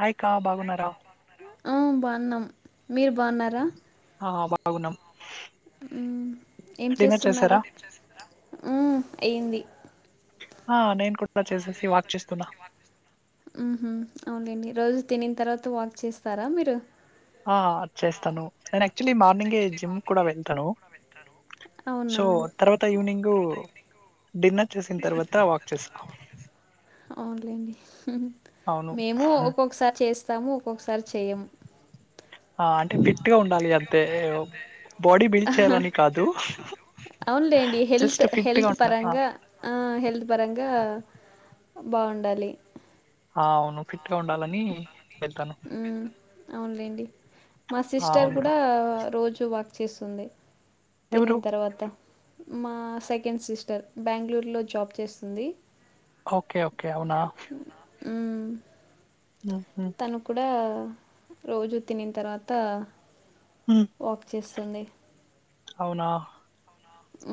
Hi కా బాగున్నారా ఆ బావున్నాం మీరు బావున్నారా ఆ బాగున్నం మ్మ్ ఏం చేస్తున్నారు ఆ అయ్యింది ఆ నేను కూడా చేసేసి వాక్ చేస్తున్నా ఊహూ అవునులేండి రోజూ తినిన తర్వాత వాక్ చేస్తారా మీరు ఆ చేస్తను నేను యాక్చువలీ మార్నింగే జిమ్ కూడా వెళ్తను అవునా సో తర్వాత ఈవెనింగు డిన్నర్ చేసిన తర్వాత వాక్ చేస్తా అవునులేండి అవును మేమూ ఒక్కొక్కసారి చేస్తాము ఒక్కొక్కసారి చెయ్యము ఆ అంటే ఫిట్ గా ఉండాలి అంతే బాడీ బిల్డ్ చెయ్యాలని కాదు అవునులేండి హెల్త్ జస్ట్ ఫిట్ గా హెల్త్ ఉండ ఆ, పరంగా ఆ హెల్త్ పరంగా బావుండాలి ఆ అవును ఫిట్గా ఉండాలని వెళ్తాను అవునులేండి మా ఆ, సిస్టర్ అవును కా. కూడా రోజు వా చేస్తుంది ఎవరు తినిన్ తర్వాత మా సెకెండ్ సిస్టర్ బ్యాంగ్లూర్లో జాబ్ చేస్తుంది ఓకే ఓకే అవునా మ్మ్ [unintelligible] తను కుడా రోజు తినిన్ తర్వాత ఉ వాక్ చేస్తుంది అవునా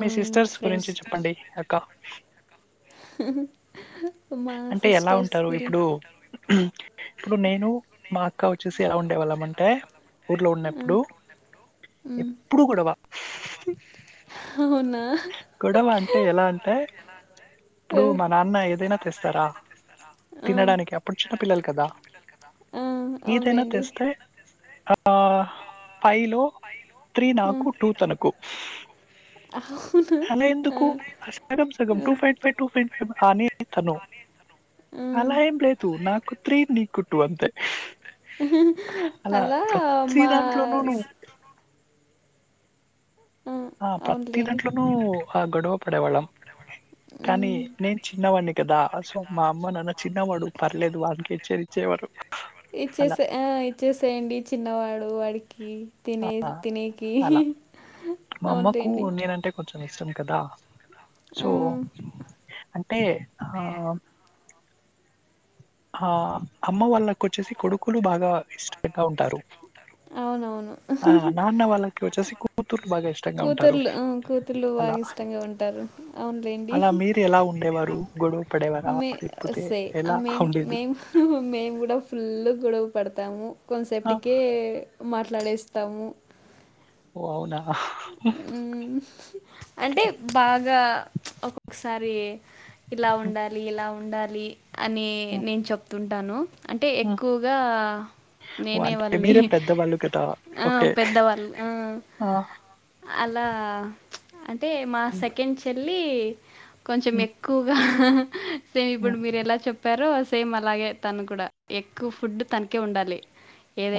మీ సిస్టర్స్ ఫ్రెండ్స్. గురించి చెప్పండి అక్క మా అంటే ఎలా సిస్టర్స్ ఉంటారు? గురి ఇప్పుడు ఇప్పుడు నేను మా అక్క వచ్చేసి ఎలా ఉండేవాళ్ళం అంటే ఊర్లో ఆ! ఉన్నప్పుడు హ్మ్. ఎప్పుడు గొడవ అవునా? గొడవ అంటే ఎలా అంటే ఆ! ఇప్పుడు మా నాన్న ఏదైనా తెస్తారా ఆ! తినడానికి అప్పుడు చిన్నపిల్లలు కదా ఆ అవునులేండి ఆ ఫైవ్ లో త్రీ నాకు టూ తనకు అవును అలా ఎందుకు సగం సగం two five two point five అనేది తను ఆ! అలా ఏం లేదు నాకు త్రీ నీకు టూ అంతే అలా ప్రతి మా దాంట్లోనూ ప్రతి స్ నువ్వు ఆ ప్రతి అవునులేండి దాంట్లోనూ ఆ గొడవ పడేవాళ్ళం కానీ మ్మ్. నేను చిన్నవాడిని కదా అసో మా అమ్మ నాన్న చిన్నవాడు పర్లేదు వాన్కె చరిచేవారు ఇచ్చేసే ఆ ఇచ్చేసేయండి చిన్నవాడు వాడికి ఆ! తినే తినేకి అలా. మా అమ్మకు అవునులేండి నేనంటే కొంచెం ఇష్టం కదా సో ఆ, సో అంటే ఆ అమ్మ వాళ్ళకు వచ్చేసి కొడుకులు బాగా ఇష్టంగా ఉంటారు ఆ అవునవును నాన్న వాళ్ళకి వచ్చేసి కూతుర్లు బాగా ఇష్టంగా ఉంటారు తులు అలా. బాగా ఇష్టంగా ఉంటారు అవునులేండి అలా మీరు ఎలా ఉండేవారు? గొడవ పడేవారా? మే లేకపోతే సే ఎలా మేం ఉండేది? మేము మేము కూడా ఫుల్ గొడవ పడతాము ఆ! కొన్సెప్ట్కి మాట్లాడేస్తాము ఓ అవునా ఉ ఓకే. అంటే బాగా ఒక్కొక్కసారి ఇలా హ్మ్. ఉండాలి ఇలా ఉ ఉండాలి అని హ్మ్. నేను చెప్తుంటాను అంటే హ్మ్. ఎక్కువగా ఓహ్! నేనే అంటే వాళ్ళని మీరే పెద్దవాళ్ళు కదా! ఆ ఓకే. పెద్దవాళ్ళు ఆ ఆ అలా అంటే మా హ్మ్. సెకండ్ చెల్లి కొంచెం హ్మ్ ఎక్కువగా సేమ్ హ్మ్. ఇప్పుడు మీరు ఎలా చెప్పారో సేమ్ అలాగే తను కూడా ఎక్కువ ఫుడ్ తనికే ఉండాలి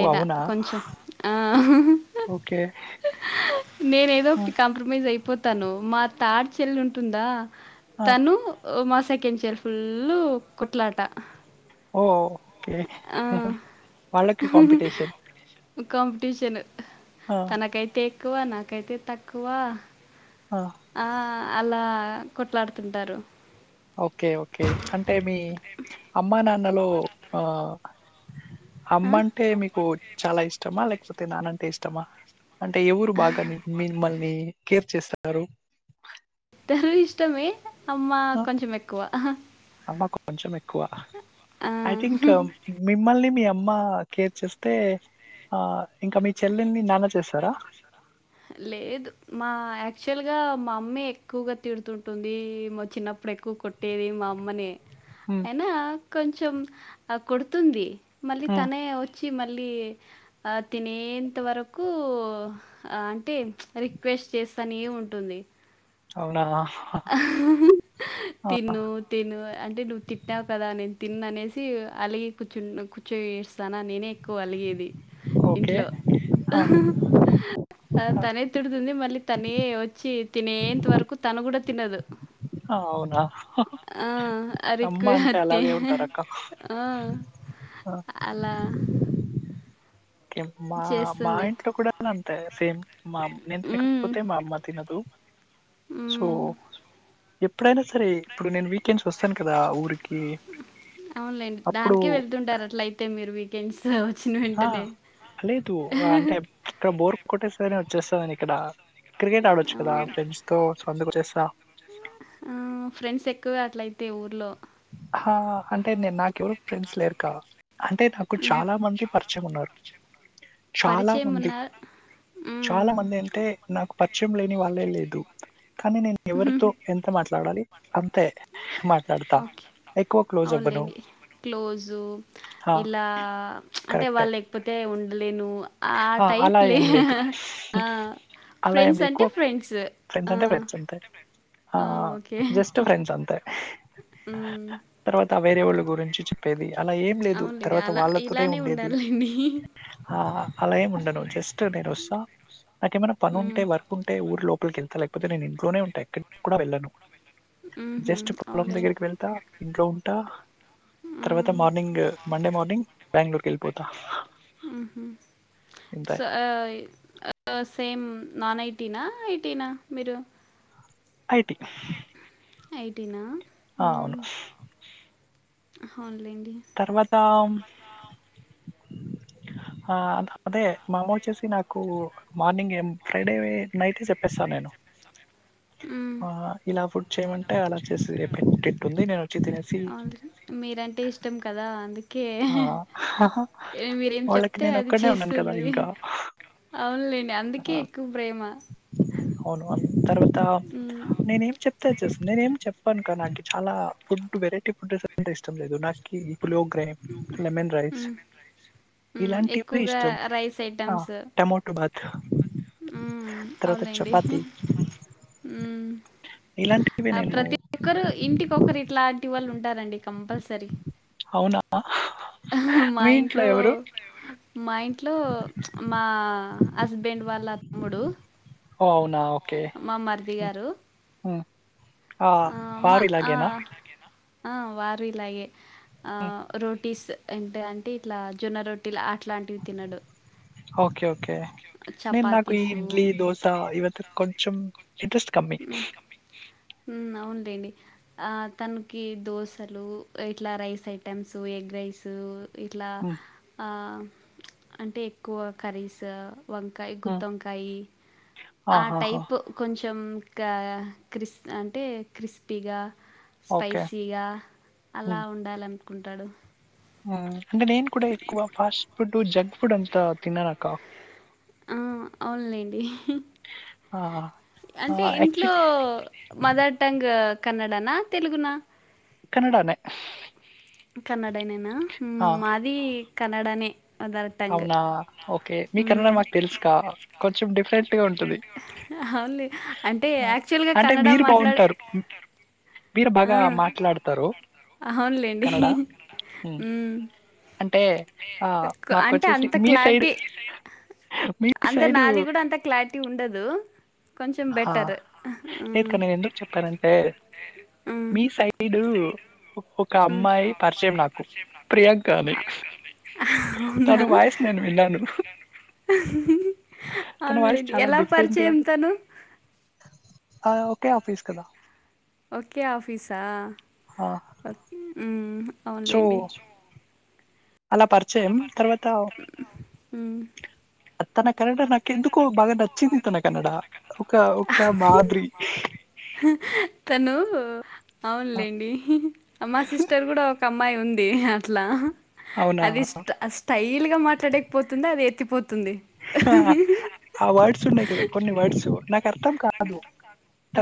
ఓ అవునా? కొంచెం ఓకే నేను ఏదో ఒకటి హ్మ్. కాంప్రమైజ్ అయిపోతాను మా తాడ్ చెల్లి ఉంటుందా ఆ! తను మా సెకండ్ చెల్ ఫుల్లు కొట్లాట ఓఓకే ఆ! వాళ్ళకి కాంపిటీషన్ కాంపిటీషన్ ఆ! తనకైతే ఎక్కువ నాకైతే తక్కువ ఆ ఆ అలా కొట్లాడుతుంటారు ఓకే ఓకే అంటే మీ అమ్మా నాన్నలో ఆ ఆ! అమ్మ అంటే మీకు చాలా ఇష్టమా లేకపోతే నానంటే ఇష్టమా అంటే ఎవరు బాగా మిమ్మల్ని కేర్ చేస్తన్నరు ఇద్దరు ఇష్టమే అమ్మ ఆ! కొంచం ఎక్కువ అమ్మ కొంచెం ఎక్కువ ఐ థింక్ ఆ! మిమ్మల్ని మీ అమ్మ కేర్ చేస్తే ఆ ఇంకా మీ చెల్లెల్ని నాన్న చేస్తరా లేదు మా యాక్చువల్గా మా అమ్మీ ఎక్కువగా తిడుతుంటుంది మా చిన్నప్పుడు ఎక్కువ కొట్ పట్టేది మా అమ్మనే హ కొంచం కొడుతుంది మళ్లి హ్మ్. తనే వచ్చి మళ్ళీ ఆ తినేంత వరకు అంటే రిక్వెస్ట్ చేస్తానే ఉంటుంది అవునా తిను తిను అంటే నువ్వు తిట్టావు కదా నేను తిను అనేసి అలాగే కూర్చు కూర్చోస్తాను నేనే క్కువ అలిగేది ఓకే. ఇంట్లో ఆ! అ తనే తిడుతుంది మళ్ళీ తనే వచ్చి తినేంత వరకు తను కూడా తినదు అవునా ఆ అమ్మ అరకు అంటే అతి అలాగే ఆ ఆ అలా మా మా చేస్తుంది. ఇంట్లో కూడా అంతే సేమ్ మా అమ్ నేను హ్మ్. తినకకపోతే మా అమ్మ తినదు సో హ్మ్. ఎప్పుడైనా సరే ఇప్పుడు నేను వీకెండ్స్ వస్తాను కదా ఊరికి అవునులేండి అప్పుడు దానికే వెళ్తుంటారు అట్ల అయితే మీరు వీకెండ్స్ వచ్చిన ఆ, వెంటనే లేదు అంటే ఇక్కడ బోర్ కొట్టేసని వచ్చేస్తాని ఇక్కడ క్రికెట్ ఆడొచ్చు కదా అవును. ఫ్రెండ్స్ తో స వచ్చస్తా ఆ ఫ్రెండ్స్ ఎక్కువే అట్లయితే ఊర్లో అంటే నేను నాకు ఎవరు ఫ్రెండ్స్ లోక్క అంటే నాకు హ్మ్. చాలా మంది పరిచయం ఉన్నారు చాలా పరిచయం మంది ఉన్నా చాలా హ్మ్. మంది అంటే నాకు పరిచయం లేని వాళ్ళే లేదు కానీ నేను ఎవరితో ఎంత మాట్లాడాలి అంతే మాట్లాడతా ఓకే. ఎక్కువ క్లోజ్ అవ్వను అవునులేండి క్లోజు ఆ ఇలా అంటే కరెక్టే వాళ్ళ లేపోతే ఉండలేను ఆ టైప్ అలా లే ఏం లేదు అలా ఏం ఫ్రెండ్స్ లేదు. అంటే ఎక్కువ ఫ్రెండ్స్ ఫ్రెండ్స్ ఆ అంటే ఫ్రెండ్స్ అంతే ఆ జస్ట్ ఫ్రెండ్స్ అంతె ఆ తర్వాత ఆ వేరే వాళ్ళు గురించి చెప్పేది అలా ఏం ఎం లేదు అవునులెండి. తర్వాత అలా వాళ్ళతోనే ఇలానే ఉండేది ఉండాలిలెండి. ఆ అలా ఏం ఉండను జస్ట్ నేను వసా నాకేమైనా పని ఉంటే హ్మ్. వర్క్ ఉంటే ఊరు లోపలికిళ్ా లేకపోతే నేను ఇంట్లోనే ఉంటా ఎక్కడికి కూడా వెళ్ళను హుహు. జస్ట్ పొలం అవునులే. దగ్గరకి వెళ్తా ఇంట్లో ఉంటా తర్వాత హ్మ్. మార్నింగ్ మండే మార్నింగ్ బెంగళూరు కేళ్ళిపోతా మ్ హు స్ అ సేమ్ నాన్ ఐటీనా ఐటీనా మీరు ఐ టి ఐ టీనా ఆ అవును అన్లైడి తర్వాత ఆ అదే మా అమ్మ వచ్చేసి నాకు మార్నింగ్ ఏ ఫ్రైడే నైటే చెప్పేస్తా నేను హ్మ్. ఆ ఇలా ఫుడ్ చేయమంటే అలా వేసి పెట్టుద్ధి నేను వచ్చి తినేస్ అవును మీరంటే ఇష్టం కదా అందుక్ కే ఆహ్, మీరేం వాళ్ళకి చెప్తే అది నేనొక్కడినే ఉన్నాను కదా! చేస్తుంది ఇంకా. అవునులేండి అందుకే ఆహ్, ఎక్కువ ప్రేమ అవును తర్వాత హ్మ్. నేను ఏం చెప్ చ్చేస్తుంది నేను ఏం చెప్పాను నాకి చాలా ఫుడ్ వెరైటీ ఫుడ్ అంటే ఇష్టం లేదు నాకి పులుగ్ర లేమన్ రైస్ మ్ ఇలాంటివే ఎక్కువగా ఇష్టం. రైస్ ఆ! ఐటెమ్స్ టమాటో బాత్, మ్ తర్వాత అవులేండి చపాతీ మ్ ఇలాంటివి ఆ నేను ప్రతి ఒక్కరు ఇంటికొకరు ఇట్లాంటి వాళ్ళు ఉంటారండి కంపల్సరీ అవునా మీ ఇంట్లో ఎవరు ఎవరు మా ఇంట్లో మా హస్బెండ్ వాళ్ళ తమ్ముడు ఓహ్! అవునా! మా మర్ది గారు ఆ ఆ మా ఆ ఆ వారు ఇలాగే ఆ హ్మ్. రోటీీస్ ఏంట అంటే ఇట్లా జొన్న రొట్టి అట్లాంటివి తినడు ఓకే ఓకే ఓకే నేను నాకు ఈ చపాతీసు ఇడ్లీ దోస ఇవైతె కొంచెం ఇంట్రెస్ట్ కమ్ న్ అవును లేండి ఆ తనకి దోశలు ఇట్లా రైస్ ఐటెమ్స్ ఎగ్ రైసు ఇట్లా ఆ అంటే ఎక్కువ కర్రీస్ా వంకాయ గుత్తి వంకాయ ఆ ఆహాహా టైపు కొంచెం ఇంకా క్రిస్ అంటే క్రిస్పీగా ఓకే స్పైసీగా అలా హ్మ్. ఉండాలనుకుంటాడు అంటే నేను కూడా ఎక్కువ ఫాస్ట్ ఫుడ్ జంక్ ఫుడ్ అంతా తిననక్క ఆ అవునులేండి ఆ ఆ, అంటే ఇంట్లో యాక్చువల్లీ మదర్ టంగ్ కన్నడానా తెలుగునా కన్నడనేే కన్నడనేనా ఆ, మాది కన్నడనే మదర్ టంగ్. అవునా ఓకే మీకన్నా హ్మ్. మాకు తెలుసు కా కొంచెం డిఫరెంట్ గా ఉంటుది అవుంది అంటే యాక్చువల్ గా కన్నడ మీరు మాట్లాడే బాగుంటారు మీరు బాగా మాట్లాడతారు అవునులెండి. కన్నడ హ్మ్. అంటే ఆ క్ అంటే అంత మాకొంచ్చేసి మాకు కొంచెం మీ సైడ్ క్లారిటీ మీ మీ అంత సైడ్ నాది కూడా అంత క్లారిటీ ఉండదు కొంచెం ఆ బెటర్. ఆహా! లేేదుక్క హ్మ్. నేను ఎందుకు చెప్పానంటే హ్మ్. మీ సైడ్ వీడు ఒక మ్మ్. అమ్మాయి పరిచయం నాకు ప్రియాంక అని అవునా తను వాయిస్ నేను విన్నను ను తన వాయిస్ అవునులేండి చాలా ఎలా డిఫరెంట్గా పరిచయం అతుంది తను ఆ ఓకే ఆఫీస్ కదా ఓకే ఆఫీసా ఈ ఓన్ సో అవునులేండి అలా పరిచయం తర్వాత మ్మ్. తన కన్నడ నాకు ఎందుకో బాగా నచ్చింది తన కన్నడ ఒక ఒక మాదిరి తను ఆ, అవునులేండి అమా సిస్టర్ కూడా ఒక అమ్ అమాయి ఉంది అట్లా అవునా అది స్టైల్ గా మాట్లాడకపోతుంది అది ఎత్తిపోతు ఆ ఆ వర్డ్స్ ఉండగద కొన్ని వర్డ్సు నా అర్థ కాదు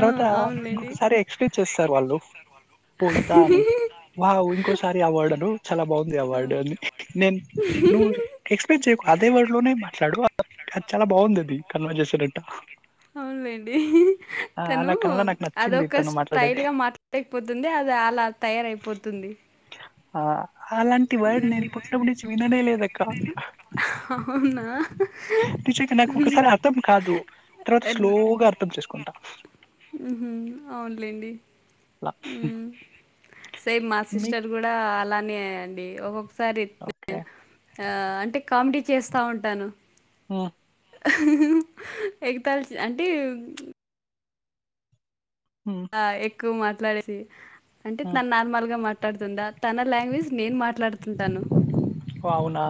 ఆ, అవునులేండి ఇంకొకసారి ఎక్స్ ప్లెయిన్ చేస్తారు వాళ్ళు పోయితా అని వా ఇంకోసారి అవార్డు అను చాలా బాగుంది అవార్డు అని నేన్ నువ్వు ఎక్స్ ప్లెయిన్ చేయ్యకు అదే వర్డ్ లోనే మాట్లాడు అది చాలా బాగుంది అది కన్వర్ చేసేటట్ట అవునులేండి తను అలా కన్నడ నాకు నచ్చింది అదొక తను మాట్లాడేది. స్టైల్ గా మాట్లాడకపోతుంది అది అలా తయారయిపోతుంది ఆ అలాంటి వర్డ్ నేను పుట్నప్పు నుంచి విననే లేదక్క అవున్నా నిజాం గ నాకు ఒకసారి అర్థం కాదు తర్వాత స్లోగా అర్థం చేసుకుంటా హు హు అవునులేండి లా సే మా సిస్టర్ కూడా అలానే అండి ఓక్కో ఒకసారి ఓకే. అంటే కామెడీ చేస్తా ఉంటాను హ్మ్మ్ హు హు ఎగతల్ అంటే హ్ ఆ ఎక్కువ మాట్లాడేది అంటే హ్మ్. తను నార్మల్గా మాట్లాడుతుందా తన లాంగ్వేజ్ నేన్ మాట్లాడుత ఓ అవునా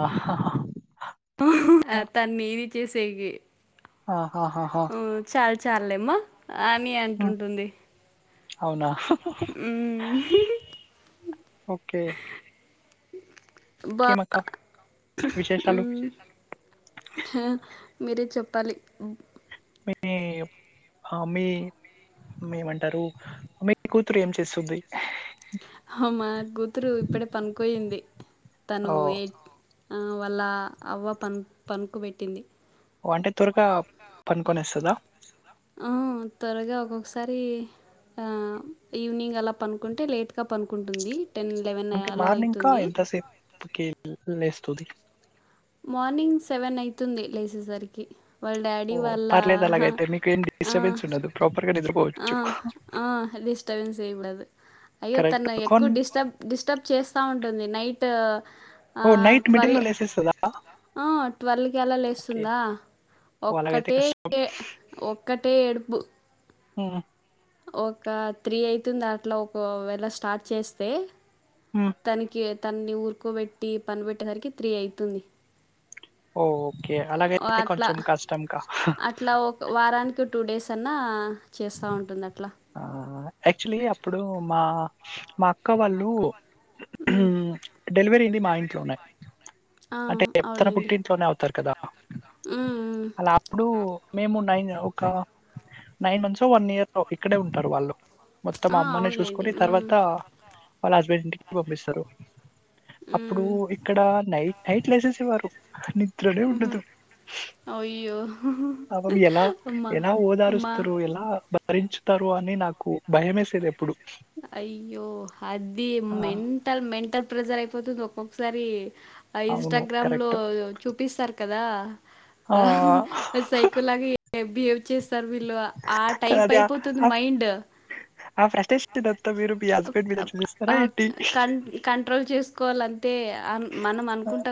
తన్ని ఇది చేసే ఆహాహా చాల్ చాలేమ్మ అని హ్మ్. అంటుంటుంది అవునా మ్మ్ ఓకే బా ఇంకేమక్క విశేషాలు? మేరే చెప్పాలి మే ఆ మీ మేమంటారు మీ కూతురు ఏం చేస్తుంది మా కూతురు ఇప్పుడే పనికోయింది తను ఓ ఏ వాళ్ళ అవ్వ పను పడుకో పెట్టింది ఓ అంటే త్వరగా పనుకొనేస్తాదా ఆ త్వరగా ఒక్కొక్కసారి ఈవినింగ్ అలా పనుకుంటే లేట్గా పనుకుంటుంది టెన్ లెవెన్ అలా అవుతుంది కి లేస్తుది మార్నింగ్ సెవెన్ అయితుంది లేచేసరికి వాళ్ళ డాడీ ఓ వాళ్ళ పర్లేదు అలాగైతే మీకు ఏం ఆ డిస్టర్బెన్స్ ఉండదు ప్రాపర్ గా ఆ నిద్రపోవచ్చు ఆ డిస్టబెన్స్ ఉండదు అయ్యో కరెక్ట్ తన కొన్ ఎక్కువ డిస్టర్బ్ డిస్టర్బ్ చేస్తా ఉంటది నైట్ ట్వల్ స్తదా ఆ ట్వెల్కి అలా లేస్తదా ఓ అలాగైతే ఒక్కటే కష్టం ఏ ఒక్కటే ఏడుపు ఆ ఒక త్రీ అయితుంది అట్లా ఒకవేళ స్టార్ట్ చేస్తే ఆ తనకి తనన్ని ఊరుకోబెట్టి పని పెట్టేసరికి త్రీ అయితుంది ఓ ఓకే అంటే అలాగైతే అట్లా, కొంచెం కష్టంగా కష్టం కదా! అట్లా ఒక వారానికి టూ డేస్ అన్నా చేస్తా ఉంటుంది అట్లా ఆ యాక్చువలీ అప్పుడు మా మా ఒక్క వాళ్ళు హ్మ్. డెలివరీ అయింది మా ఇంట్లోనే ఆ! అంటే చె తన అవునులెండి. తన పుట్టింట్లోనే అవుతారు కదా పుట్టింట్లోనే ఉన్నారు కదా! హ్మ్. హ్మ్. అలా అప్పుడు మేము నైన్ ఒక నైన్ మంత్స్ వన్ ఇయర్ ఇక్కడే ఉంటారు వాళ్ళు మొత్తం ఆ! పాప అమ్మనే అవునులెండి. చూసుకుని పుట్టింది హ్మ్. తర్వాత కదా! వాళ్ళ హస్బెండ్ ఇంటికి పంపిస్తారు అప్పుడు హ్మ్. ఇక్కడ నైట్ నైట్ లేసేసేవారు నిద్రనే పాప హుహు. ఉండదు పుట్టాడు. అయ్యో! అ ఎలా అమ్మ! ఎలా అమ్మ! ఓదారుస్తారు ఎలా భరించుతారు అని నాకు భయమేసేది ఎప్పుడు అయ్యో అది మెంటల్ మెంటల్ ప్రెజర్ అయిపోతుంది ఒక్కొక్కసారి ఆ అవును. ఇన్స్టాగ్రామ్ లో కరెక్ట్. చూపిస్తారు కదా ఆ! సైకోలాగ బిహేవ్ చేస్తారు వీళ్ళు ఆ టైప్ కాదది అయిపోతుంది ఆ మైండ్ ఆ ఫ్రస్టేషన్ అంతా మీరు మీ అప్ హస్బెండ్ మీద అప్ చూపిస్తారా ఆహ్, ఏంటి కన్ కంట్రోల్ చేసుకోవాలంతే మనం అనుకుంటా